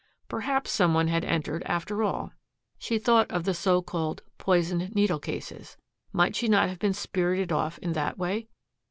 Perhaps some one had entered, after all. She thought of the so called "poisoned needle" cases. Might she not have been spirited off in that way?